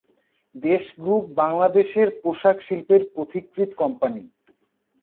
দেশ গ্রুপ বাংলাদেশের পোশাক শিল্পের পথিকৃৎ কোম্পানি।